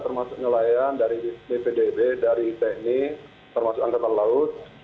termasuk nelayan dari bpdb dari tni termasuk angkatan laut